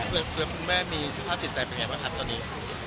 แล้วคุณแม่มีสภาพจิตใจเป็นไงบ้างครับตอนนี้